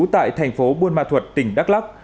tại thành phố buôn ma thuật tỉnh đắk lắc